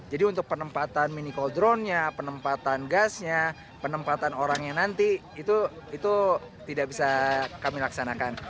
jadi untuk penempatan mini call dronenya penempatan gasnya penempatan orangnya nanti itu tidak bisa kami laksanakan